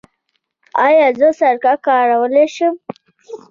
ایا زه سرکه کارولی شم؟